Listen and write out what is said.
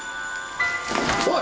おい！